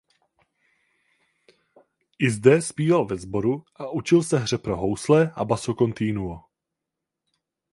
I zde zpíval ve sboru a učil se hře pro housle a basso continuo.